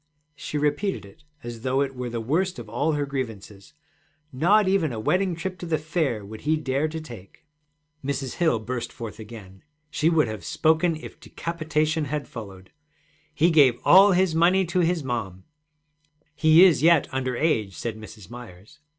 She repeated it as though it were the worst of all her grievances: 'Not even a wedding trip to the Fair would he dare to take.' Mrs. Hill burst forth again. She would have spoken if decapitation had followed. 'He gave all his money to his mom.' 'He is yet under age,' said Mrs. Myers.